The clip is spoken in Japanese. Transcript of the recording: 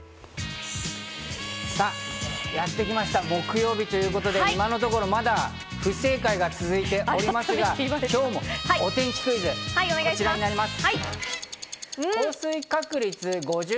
さぁやってきました、木曜日ということで今のところまだ不正解が続いていますが、今日もお天気クイズ、こちらです。